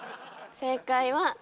正解は。